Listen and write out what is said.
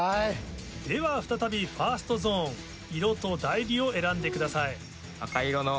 では再びファーストゾーン色と代理を選んでください。